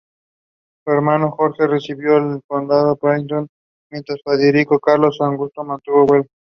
Su hermano Jorge recibió el condado de Pyrmont, mientras Federico Carlos Augusto mantuvo Waldeck.